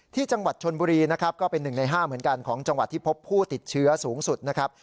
ที่จังหวัดชนบุรีนะครับก็เป็น๑ใน๕เหมือนกันของจังหวัดที่พบผู้ติดเชื้อสูงสุดนะครับ